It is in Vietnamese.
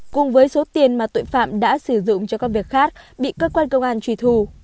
cùng với số tiền mà tội phạm đã sử dụng cho các việc khác bị cơ quan công an truy thù